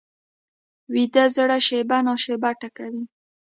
ویده زړه شېبه نا شېبه ټکوي